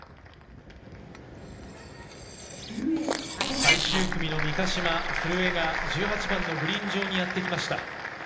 最終組の三ヶ島と古江が１８番のグリーン上にやってきました。